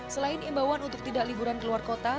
selain imbauan untuk tidak liburan keluar kota